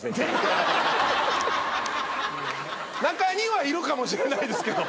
中にはいるかもしれないですけど。